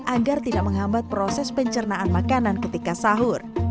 agar tidak menghambat proses pencernaan makanan ketika sahur